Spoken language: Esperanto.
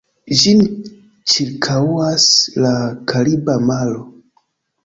Ĝin ĉirkaŭas la Kariba Maro.